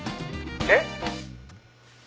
「えっ？」